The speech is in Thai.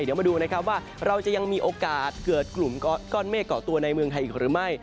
เดี๋ยวมาดูนะครับว่าเราจะยังมีโอกาสเกิดกลุ่มก้อนเมฆเกาะตัวในเมืองไทยอีกหรือไม่